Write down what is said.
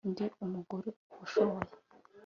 Ndi umugore ushoboye